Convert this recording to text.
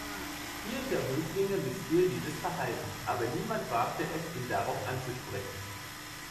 Vielen der Höflinge missfiel dieses Verhalten, aber niemand wagte es, ihn darauf anzusprechen.